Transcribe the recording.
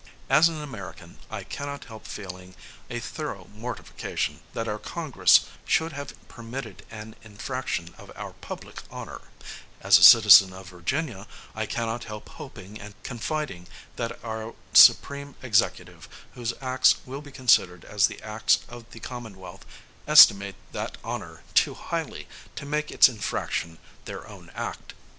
As an American, I cannot help feeling a thorough mortification, that our Congress should have permitted an infraction of our public honor; as a citizen of Virginia, I cannot help hoping and confiding, that our supreme Executive, whose acts will be considered as the acts of the Commonwealth, estimate that honor too highly to make its infraction their own act.